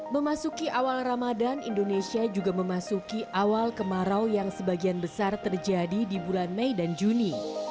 memasuki awal ramadan indonesia juga memasuki awal kemarau yang sebagian besar terjadi di bulan mei dan juni